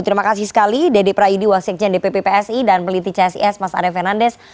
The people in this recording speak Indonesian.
terima kasih sekali dede prayudi wasik jendep ppp psi dan peliti csis mas arief hernandez